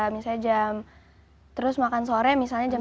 misalnya jam terus makan sore misalnya jam tiga